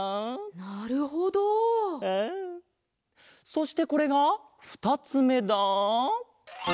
そしてこれがふたつめだ。